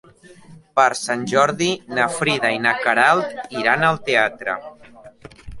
Per Sant Jordi na Frida i na Queralt iran al teatre.